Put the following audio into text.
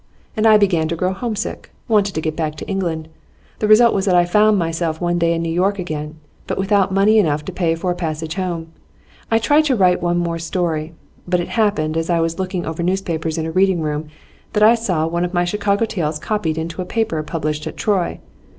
And I began to grow home sick, wanted to get back to England. The result was that I found myself one day in New York again, but without money enough to pay for a passage home. I tried to write one more story. But it happened, as I was looking over newspapers in a reading room, that I saw one of my Chicago tales copied into a paper published at Troy.